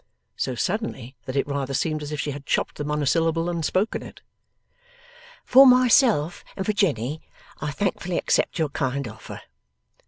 so suddenly that it rather seemed as if she had chopped the monosyllable than spoken it. 'For myself and for Jenny, I thankfully accept your kind offer.